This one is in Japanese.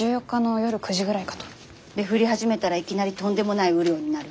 で降り始めたらいきなりとんでもない雨量になる？